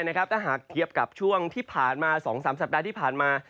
ถ้าหากเทียบกับช่วงที่ผ่านมา๒๓สัปดาห์ที่ผ่านมา